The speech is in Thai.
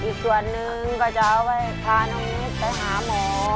อีกส่วนนึงก็จะเอาไว้พาน้องนิดไปหาหมอ